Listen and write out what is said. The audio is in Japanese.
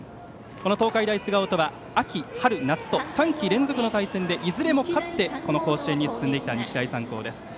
この東海大菅生とは秋、春、夏と３季連続の対戦でいずれも勝って甲子園に進んできた日大三高です。